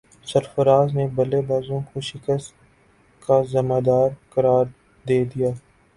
سرفراز نے بلے بازوں کو شکست کا ذمہ دار قرار دے دیا